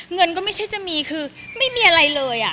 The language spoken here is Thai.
เงินก็ไม่ใช่จะมีคือไม่มีอะไรเลย